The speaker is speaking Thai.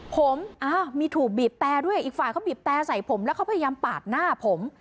ผมมีถูกบีบแต่ด้วยอีกฝ่ายเขาบีบแต่ใส่ผมแล้วเขาพยายามปาดหน้าผม